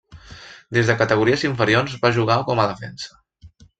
Des de categories inferiors va jugar com a defensa.